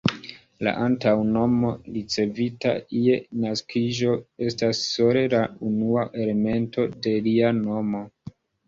La antaŭnomo, ricevita je la naskiĝo, estas sole la unua elemento de lia nomo.